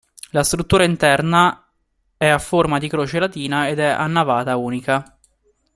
La struttura interna è a forma di croce latina ed è a navata unica.